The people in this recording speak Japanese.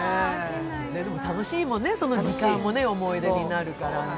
楽しいもんね、その時間も思い出になるから。